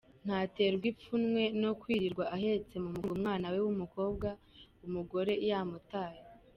Ntaterwa ipfunwe no kwirirwa ahetse mu mugongo umwana we w'umukobwa umugore yamutanye.